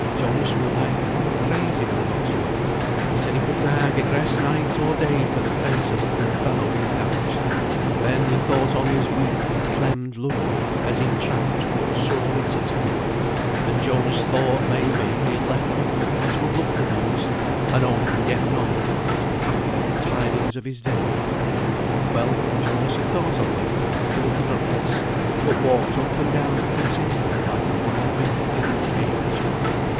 Jonas were like one crazy when I got to him; he said he could na get rest night or day for th' face of the poor fellow he had damaged; then he thought on his weak, clemmed look, as he tramped, foot sore, into town; and Jonas thought, may be, he had left them at home as would look for news, and hope and get none, but, haply, tidings of his death. Well, Jonas had thought on these things till he could not rest, but walked up and down continually like a wild beast in his cage.